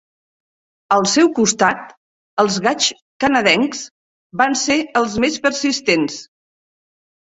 Al seu costat, els gaigs canadencs van ser els més persistents.